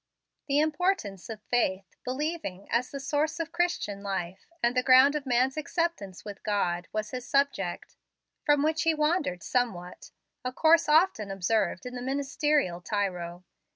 The importance of faith believing as the source of Christian life, and the ground of man's acceptance with God, was his subject, from which he wandered somewhat, a course often observed in the ministerial tyro.